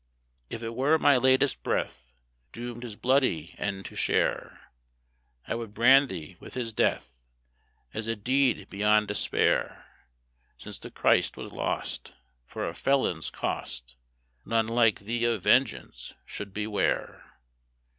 If it were my latest breath, Doomed his bloody end to share, I would brand thee with his death As a deed beyond despair. Since the Christ was lost For a felon's cost, None like thee of vengeance should beware.